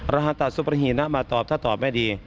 รหัสสุปหินะมาตอบถ้าตอบไม่ดี